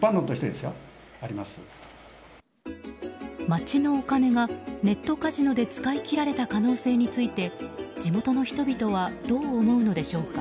町のお金がネットカジノで使い切られた可能性について地元の人々はどう思うのでしょうか。